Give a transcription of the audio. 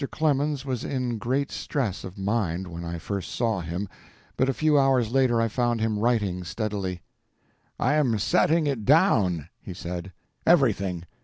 Clemens was in great stress of mind when I first saw him, but a few hours later I found him writing steadily. "I am setting it down," he said, "everything.